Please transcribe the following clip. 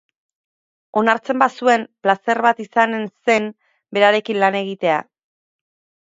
Onartzen bazuen, plazer bat izanen zen berarekin lan egitea.